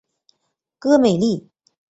戈梅利。